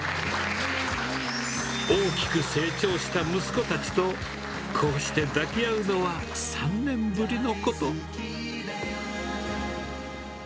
大きく成長した息子たちと、こうして抱き合うのは、３年ぶりのこと。